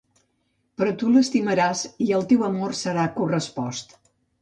Però tu l'estimaràs i el teu amor serà correspost.